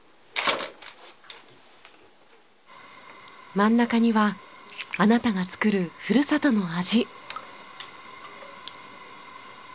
真ん中にはあなたが作るふるさとの味。